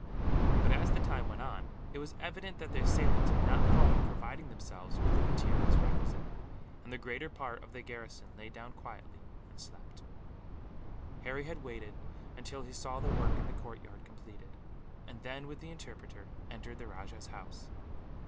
But as the time went on, it was evident that the assailants had not thought of providing themselves with the materials requisite, and the greater part of the garrison lay down quietly and slept. Harry had waited until he saw the work in the courtyard completed; and then, with the interpreter, entered the rajah's house.